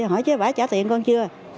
hỏi chứ bà trả tiền con chưa